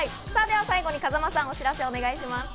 最後に風間さん、お知らせをお願いします。